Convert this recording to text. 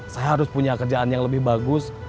saya harus punya kerjaan yang lebih bagus